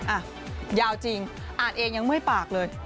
อ่ะยาวจริงอ่านเองยังเมื่อยปากเลย